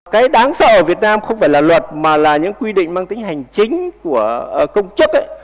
cái đáng sợ ở việt nam không phải là luật mà là những quy định mang tính hành chính của công chức ấy